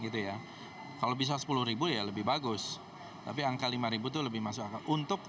kalau bisa rp sepuluh ya lebih bagus tapi angka rp lima itu lebih masuk akal